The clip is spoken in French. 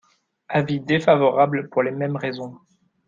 Avis défavorable pour les mêmes raisons.